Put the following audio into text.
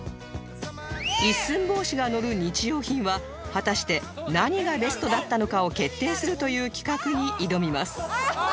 一寸法師が乗る日用品は果たして何がベストだったのかを決定するという企画に挑みます